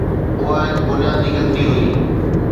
اها هڪ بنيادي غلطي هئي.